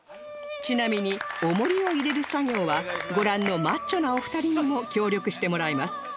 ちなみに重りを入れる作業はご覧のマッチョなお二人にも協力してもらいます